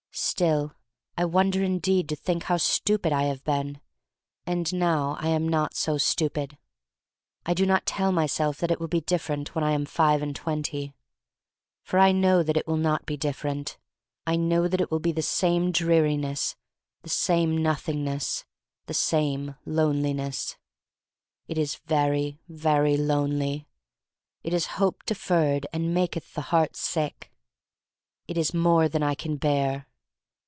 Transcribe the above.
Still, I wonder indeed to think how stupid I have been — and now I am not so stupid. I do not tell myself that it will be different when I am five and twenty. For I know that it will not be different. I know that it will be the same dreari ness, the same Nothingness, the same loneliness. It is very, very lonely. It is hope deferred and maketh the heart sick. It is more than I can bear.